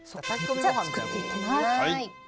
作っていきます。